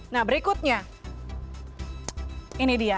nah berikutnya ini dia